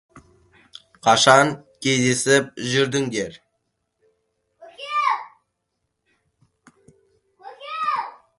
Қашан кездесіп жүрдіңдер.